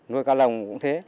nuôi cao lồng cũng thế